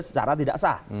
secara tidak sah